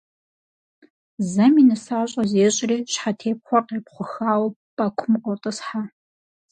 Зэми нысащӏэ зещӏри щхьэтепхъуэр къепхъухауэ пӏэкум къотӏысхьэ.